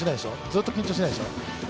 ずっと緊張しないでしょ？